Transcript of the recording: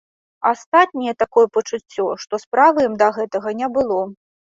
Астатнія, такое пачуццё, што справы ім да гэтага не было.